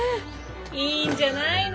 いいんじゃないの？